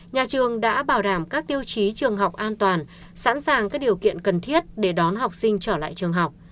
nhà trường đã bảo đảm các tiêu chí trường học an toàn sẵn sàng các điều kiện cần thiết để đón học sinh trở lại trường học